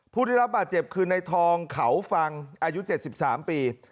ผู้ได้รับบาดเจ็บคือในทองเขาฟังอายุ๗๓ปี